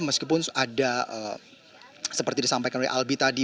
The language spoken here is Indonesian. meskipun ada seperti disampaikan oleh albi tadi